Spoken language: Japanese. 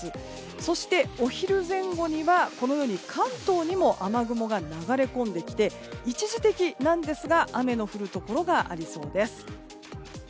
そして、お昼前後には関東にも雨雲が流れ込んできて一時的なんですが雨の降るところがありそうです。